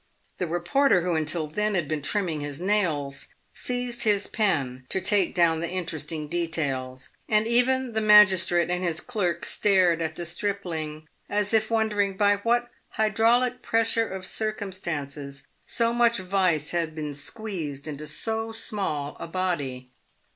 The reporter who, until then, had been trimming his nails, seized his pen to take down the interesting details, and even the magistrate and his clerk stared at the stripling as if wondering by what hydraulic pressure of circumstances so much vice had been squeezed into so small a body.